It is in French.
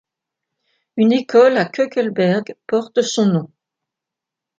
Une école à Koekelberg porte son nom.